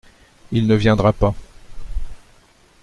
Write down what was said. Il ne viendra pas.